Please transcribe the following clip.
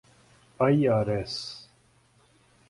IRAS